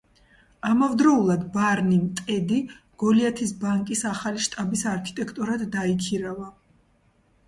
ამავდროულად ბარნიმ ტედი გოლიათის ბანკის ახალი შტაბის არქიტექტორად დაიქირავა.